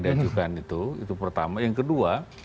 diajukan itu itu pertama yang kedua